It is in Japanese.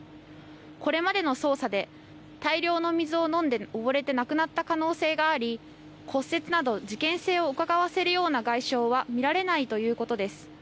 これまでの捜査で大量の水を飲んで溺れて亡くなった可能性があり骨折など事件性をうかがわせるような外傷は見られないということです。